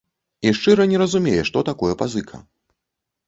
І шчыра не разумее, што такое пазыка.